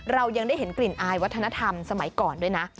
เรายังได้เห็นกลิ่นอายวัฒนธรรมสมัยก่อนด้วยนะ